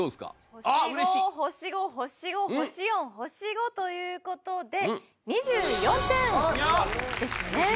星５星５星５星４星５という事で２４点ですね。